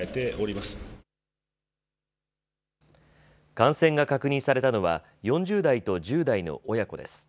感染が確認されたのは４０代と１０代の親子です。